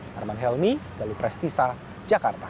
harman helmy gali prestisa jakarta